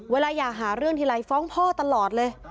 เวลาอยากหาเรื่องทีไรฟ้องพ่อตลอดเลย